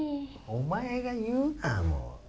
お前が言うなもう。